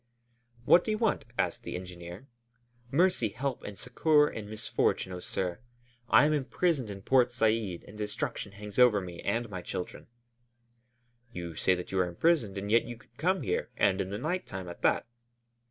"What do you want?" asked the engineer. "Mercy, help, and succor in misfortune, oh, sir! I am imprisoned in Port Said and destruction hangs over me and my children." "You say that you are imprisoned, and yet you could come here, and in the night time at that."